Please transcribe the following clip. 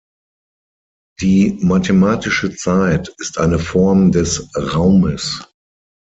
Die mathematische Zeit ist eine Form des Raumes.